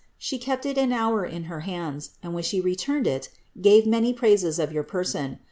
She kept it an hour in her hands ; and when she returned it^ gave many praises of your person.